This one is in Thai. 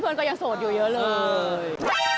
เพื่อนก็ยังโสดอยู่เยอะเลย